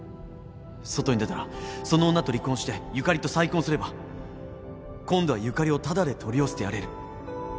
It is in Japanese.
外に出たらその女と離婚してゆかりと再婚すれば今度はゆかりをタダで取り寄せてやれる。